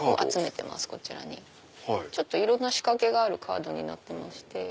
いろんな仕掛けがあるカードになってまして。